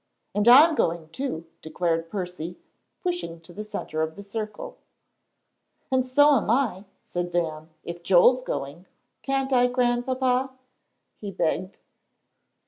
"And I'm going too," declared Percy, pushing to the centre of the circle. "And so am I," said Van, "if Joel's going. Can't I, Grandpapa?" he begged.